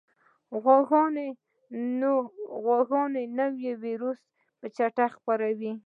غواګانو نوی ویروس په چټکۍ خپرېږي.